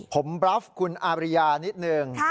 ผมบราฟคุณอาบริยานิดนึง